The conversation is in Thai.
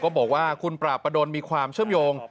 บอกว่าคุณปราบประดนมีความเชื่อมโยง